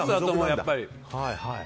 やっぱり。